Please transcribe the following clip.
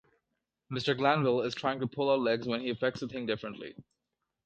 Mr. Glanville is trying to pull our legs when he affects to think differently.